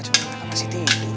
juga gak pasti tidur bi